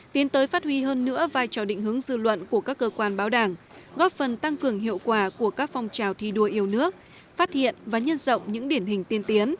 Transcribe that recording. tỉnh táo ghi định hướng nghề nghiệp trong tương lai